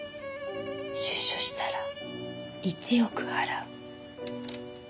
出所したら１億払う。